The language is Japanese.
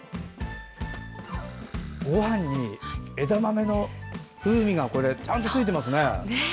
ごはんに枝豆の風味がちゃんとついてますね。